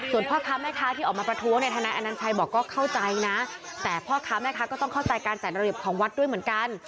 แต่พ่อค้าแม่ค้าก็ต้องเข้าใจการแจ่นระลีบของวัดด้วยเหมือนกัน